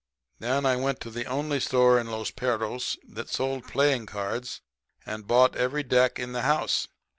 Then I went to the only store in Los Perros that sold playing cards and bought every deck in the house.